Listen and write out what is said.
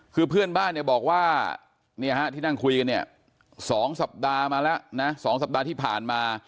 คือเพื่อนบ้านเนี่ยบอกว่าที่นั่งคุยกันเนี่ย๒สัปดาห์มาแล้วนะ๒สัปดาห์ที่ผ่านมา